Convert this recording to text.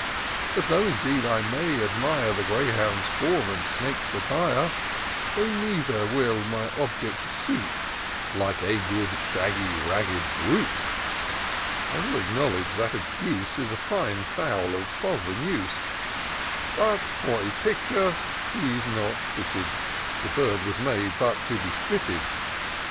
But though, indeed, I may admire ^ The greyhound's form, and snake's attire, They neither will my object suit Like a good shaggy, ragged brute. I will acknowledge that a goose Is a fine fowl, of sov'reign use : But for a picture she's not fitted — The bird was made but to be spitted.